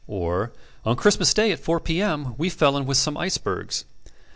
Or: "On Christmas day at 4 P. M. we fell in with some icebergs."